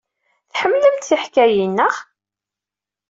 Tḥemmlemt tiḥkayin, naɣ?